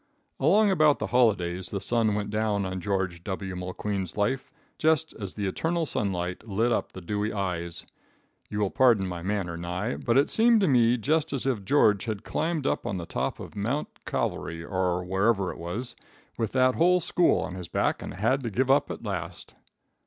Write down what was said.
"Along about the holidays the sun went down on George W. Mulqueen's life, just as the eternal sunlight lit up the dewy eyes. You will pardon my manner, Nye, but it seemed to me just as if George had climbed up to the top of Mount Cavalry, or wherever it was, with that whole school on his back, and had to give up at last.